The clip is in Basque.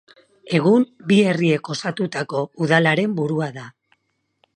Egun, bi herriek osatutako udalaren burua da.